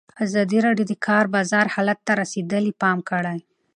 ازادي راډیو د د کار بازار حالت ته رسېدلي پام کړی.